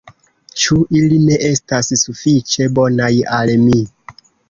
Ĉu ili ne estas sufiĉe bonaj al mi?